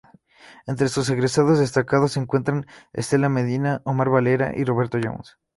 Entre sus egresados destacados se encuentran Estela Medina, Omar Varela y Roberto Jones.